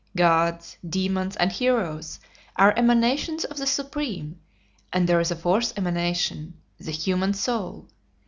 Gods, demons, and heroes are emanations of the Supreme, and there is a fourth emanation, the human soul.